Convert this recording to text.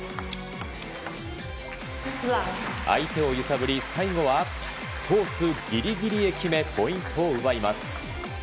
相手を揺さぶり最後はコースギリギリへ決めポイントを奪います。